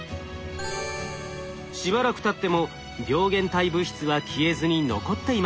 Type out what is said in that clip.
しばらくたっても病原体物質は消えずに残っていました。